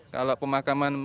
kalau pemakaman meninggal